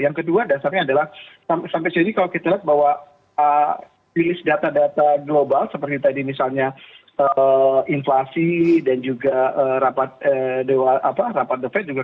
yang kedua dasarnya adalah sampai saat ini kalau kita lihat bahwa bilis data data global seperti tadi misalnya inflasi dan juga rapat default